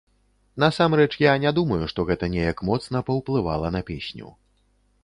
Насамрэч, я не думаю, што гэта неяк моцна паўплывала на песню.